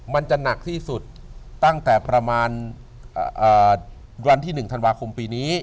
มันจะหนักที่สุดตั้งแต่ประมาณวันที่๑ธันวาคมปีนี้